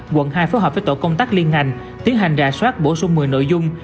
quận hai phối hợp với tổ công tác liên ngành tiến hành rà soát bổ sung một mươi nội dung